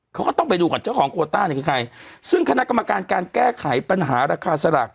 เขาก็ต้องไปดูก่อนเจ้าของโคต้าเนี่ยคือใครซึ่งคณะกรรมการการแก้ไขปัญหาราคาสลาก